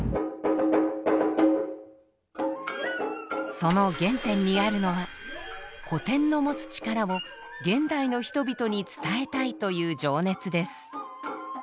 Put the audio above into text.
その原点にあるのは古典の持つ力を現代の人々に伝えたいという情熱です。